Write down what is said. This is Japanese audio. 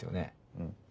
うん。